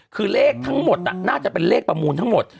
คือเลขทั้งหมดน่าจะเป็นเลขประมูลทั้งหมด